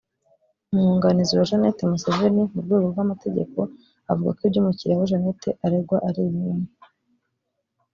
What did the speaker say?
umwunganizi wa Janet Museveni mu rwego rw’amategeko avuga ko ibyo umukiriya we Janet aregwa ari ibinyoma